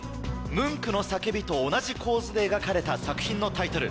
ムンクの『叫び』と同じ構図で描かれた作品のタイトル。